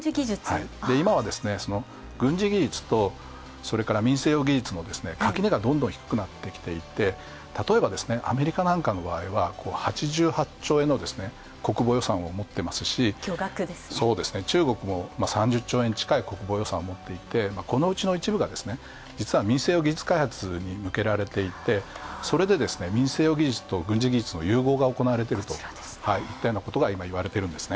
今は、軍事技術と民生用技術が垣根がどんどん低くなってきていて例えば、アメリカなんかの場合は８８兆円の国防予算を持っていますし、中国も３０兆円近い国防予算を持っていてこのうちの一部が、実は民生用技術開発にむけられていて民生用技術と軍事技術の融合が行われているといったようなことが行われているんですね。